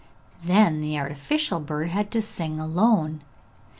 Then the artificial bird had to sing alone.